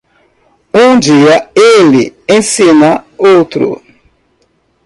Um dia ele ensina outro.